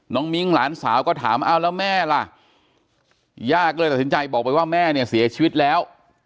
มิ้งหลานสาวก็ถามเอาแล้วแม่ล่ะย่าก็เลยตัดสินใจบอกไปว่าแม่เนี่ยเสียชีวิตแล้ว